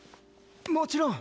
もちろん！